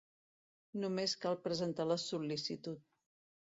Només cal presentar la sol·licitud.